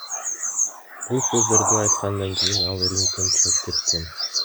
Бул сөздөрдү айткандан кийин ал рингден чыгып кеткен.